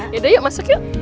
yaudah yuk masuk yuk